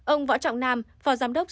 ông võ trọng nam phó giám đốc